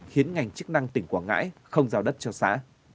khiến ngành chức năng tỉnh quảng ngãi không giao đất cho xã